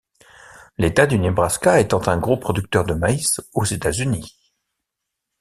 L'État du Nebraska étant un gros producteur de maïs aux États-Unis.